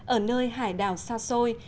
ở nơi hải đảo xa xôi